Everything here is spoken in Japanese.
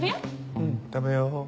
うん食べよ。